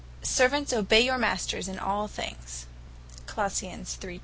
20) "Servants obey your masters in All things," and, (Verse.